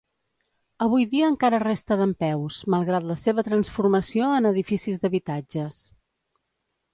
Avui dia encara resta dempeus, malgrat la seva transformació en edificis d'habitatges.